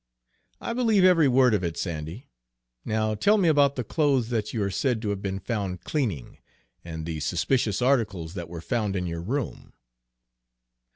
"I believe every word of it, Sandy; now tell me about the clothes that you are said to have been found cleaning, and the suspicious articles that were found in your room?"